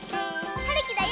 はるきだよ！